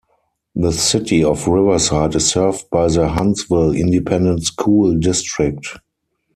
The City of Riverside is served by the Huntsville Independent School District.